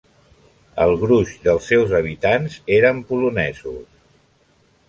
El gruix dels seus habitants eren polonesos.